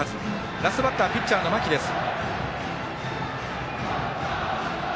ラストバッターピッチャーの間木です。